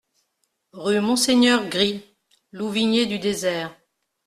Rue Monseigneur Gry, Louvigné-du-Désert